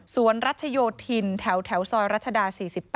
รัชโยธินแถวซอยรัชดา๔๘